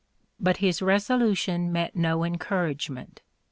But his "resolution met no encouragement."